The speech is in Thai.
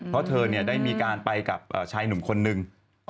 เพราะเธอได้มีการไปกับชายหนุ่มคนนึง